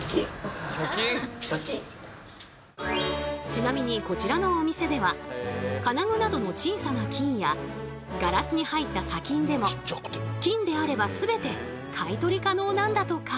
ちなみにこちらのお店では金具などの小さな金やガラスに入った砂金でも金であれば全て買い取り可能なんだとか。